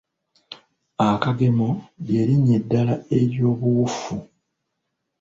Akagemo ly'erinnya eddala eryobuwufu.